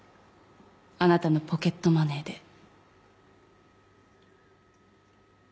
あなたのポケットマネーで。